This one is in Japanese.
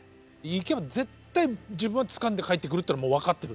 行けば絶対自分はつかんで帰ってくるってのはもう分かってるんだ。